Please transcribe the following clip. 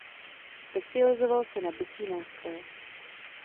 Specializoval se na bicí nástroje.